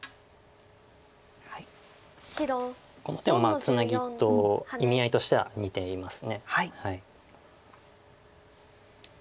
この手もツナギと意味合いとしては似ています。